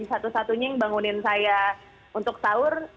satu satunya yang bangunin saya untuk sahur